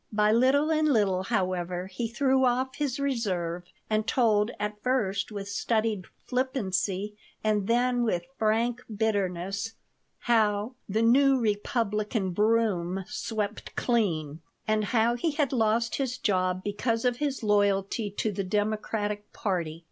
By little and little, however, he threw off his reserve and told, at first with studied flippancy and then with frank bitterness, how "the new Republican broom swept clean," and how he had lost his job because of his loyalty to the Democratic party.